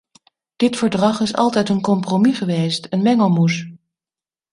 Dit verdrag is altijd een compromis geweest, een mengelmoes.